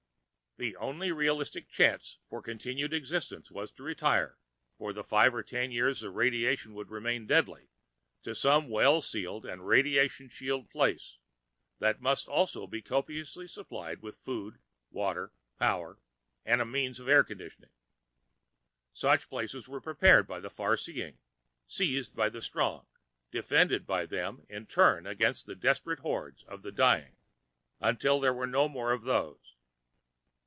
The only realistic chance for continued existence was to retire, for the five or ten years the radiation would remain deadly, to some well sealed and radiation shielded place that must also be copiously supplied with food, water, power, and a means of air conditioning. Such places were prepared by the far seeing, seized by the stronger, defended by them in turn against the desperate hordes of the dying ... until there were no more of those.